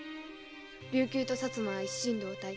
琉球と薩摩は一心同体。